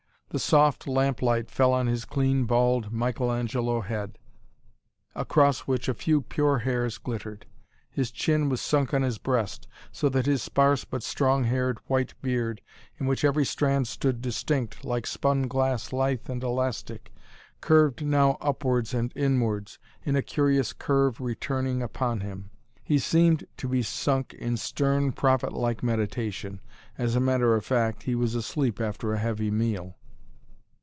The soft lamp light fell on his clean, bald, Michael Angelo head, across which a few pure hairs glittered. His chin was sunk on his breast, so that his sparse but strong haired white beard, in which every strand stood distinct, like spun glass lithe and elastic, curved now upwards and inwards, in a curious curve returning upon him. He seemed to be sunk in stern, prophet like meditation. As a matter of fact, he was asleep after a heavy meal.